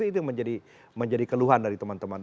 itu yang menjadi keluhan dari teman teman